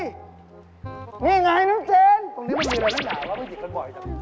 ตรงนี้มันมีอะไรไม่เหนื่อยเราต้องหยิบกันบ่อยกัน